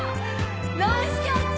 ナイスキャッチ！